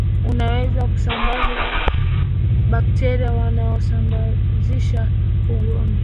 unaweza kusambaza bakteria wanaosababisha ugonjwa